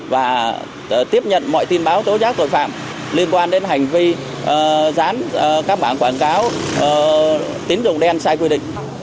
và tiếp nhận mọi tin báo tố giác tội phạm liên quan đến hành vi gián các bản quảng cáo tính dụng đen sai quy định